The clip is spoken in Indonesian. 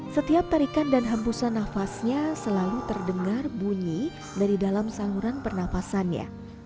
setiap tarikan dan hembusan nafasnya selalu terdengar bunyi dari dalam saluran pernafasannya